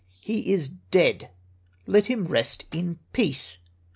He is dead; let him rest in peace!